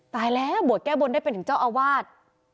ตายแล้วบวชแก้บนได้เป็นถึงเจ้าอาวาส